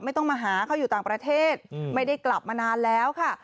ไม่ต้องมาหาเขาอยู่ต่างประเทศไม่ได้กลับมานานแล้วค่ะ